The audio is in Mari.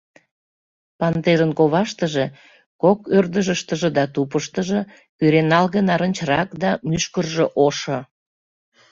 Пантерын коваштыже, кок ӧрдыжыштыжӧ да тупыштыжо, кӱреналге-нарынчырак да мӱшкыржӧ ошо.